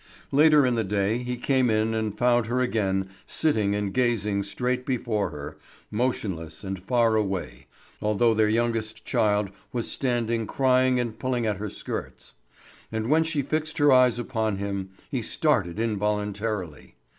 Later in the day he came in and found her again sitting and gazing straight before her, motionless and far away, although their youngest child was standing crying and pulling at her skirts. And when she fixed her eyes upon him he started involuntarily.